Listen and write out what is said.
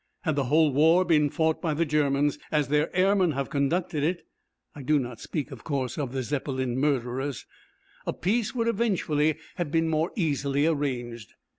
Had the whole war been fought by the Germans as their airmen have conducted it (I do not speak of course of the Zeppelin murderers), a peace would eventually have been more easily arranged.